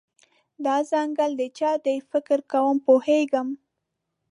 دا ځنګل د چا دی، فکر کوم پوهیږم